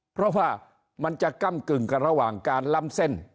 เพราะว่ามันจะก้ำกึ่งกันระหว่างการล้ำเส้น